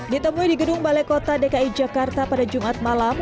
ditemui di gedung balai kota dki jakarta pada jumat malam